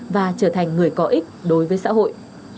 và trở thành người có ích đối với xã hội